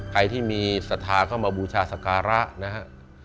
ใครที่มีสถาเข้ามาบูชาสการะนะครับ